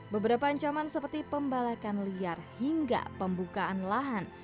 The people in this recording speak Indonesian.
beberapa ancaman seperti pembalakan liar hingga pembukaan lahan